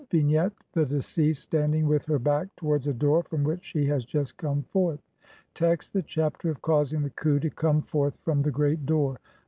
] Vignette : The deceased standing with her back towards a door from which she has just come forth. Text : (1) The Chapter of causing the khu to come FORTH FROM THE GREAT DOOR.